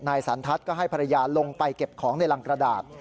สันทัศน์ก็ให้ภรรยาลงไปเก็บของในรังกระดาษ